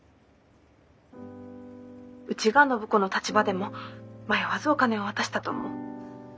☎うちが暢子の立場でも迷わずお金を渡したと思う。